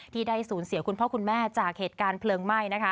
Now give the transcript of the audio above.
ที่ได้สูญเสียคุณพ่อคุณแม่จากเหตุการณ์เพลิงไหม้